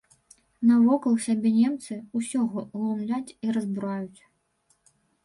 Навакол сябе немцы ўсё глумяць і разбураюць.